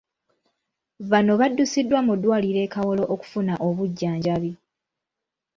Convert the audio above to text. Bano baddusiddwa mu ddwaliro e Kawolo okufuna obujjanjabi.